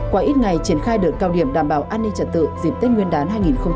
qua ít ngày triển khai đợt cao điểm đảm bảo an ninh trật tự dịp tết nguyên đán hai nghìn hai mươi bốn